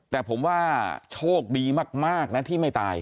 แต่ผมว่าโชคดีมากนะที่ไม่ตาย